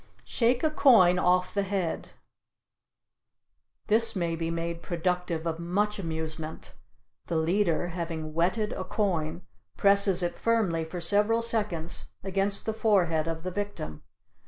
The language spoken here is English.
Shake a Coin off the Head. This may be made productive of much amusement. The leader, having wetted a coin, presses it firmly for several seconds against the forehead of the victim.